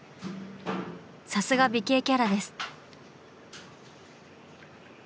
さすが美形キャラです。